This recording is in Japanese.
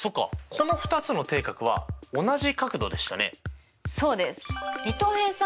この２つの底角は同じ角度でしたね？